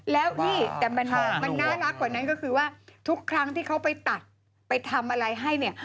แล้วพี่แต่มันน่ารักกว่านั้นก็คือว่าทุกครั้งที่เขาไปตัดไปทำอะไรให้เนี่ย